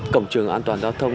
cổng trường an toàn giao thông